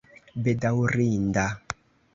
bedaŭrinda